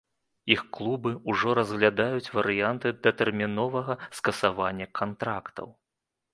Іх клубы ўжо разглядаюць варыянты датэрміновага скасавання кантрактаў.